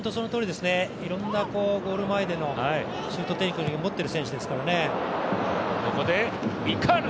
いろんなゴール前でのシュートテクを持ってる選手ですからね。